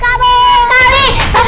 kak li apa yang terjadi